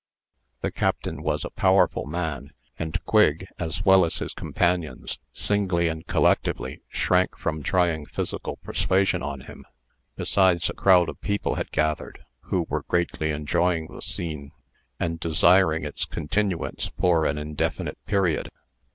The Captain was a powerful man; and Quigg, as well as his companions, singly and collectively, shrank from trying physical persuasion on him. Besides, a crowd of people had gathered, who were greatly enjoying the scene, and desiring its continuance for an indefinite period.